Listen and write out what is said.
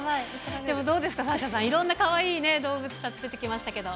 でもどうですか、サッシャさん、いろんなかわいい動物たち出てきましたけど。